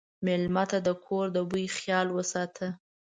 مېلمه ته د کور د بوي خیال وساته.